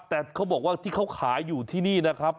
แต่เขาบอกว่าที่เขาขายอยู่ที่นี่นะครับ